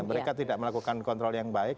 mereka tidak melakukan kontrol yang baik